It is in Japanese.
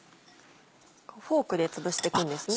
フォークでつぶしてくんですね？